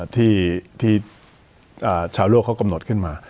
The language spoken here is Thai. ที่ชาวโลกเขากำหนดขึ้นมา